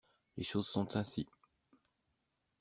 Les choses sont ainsi.